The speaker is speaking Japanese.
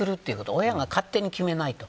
親が勝手に決めないこと。